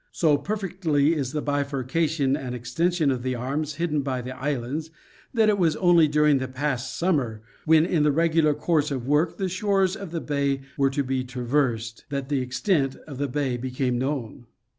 So perfectly is the bifurcation and exten sion of the arms hidden by islands, that it was only during the past summer when in the regular course of work the shores of the bay were to be traversed, that the extent of the bay became known.